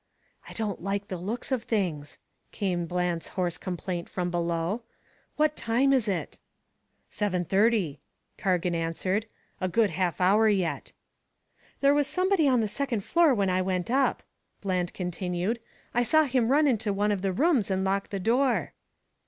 "I don't like the looks of things," came Bland's hoarse complaint from below. "What time is it?" "Seven thirty." Cargan answered. "A good half hour yet." "There was somebody on the second floor when I went up," Bland continued. "I saw him run into one of the rooms and lock the door."